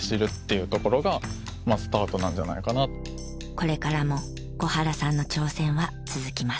これからも小原さんの挑戦は続きます。